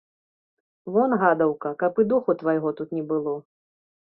Вон, гадаўка, каб і духу твайго тут не было.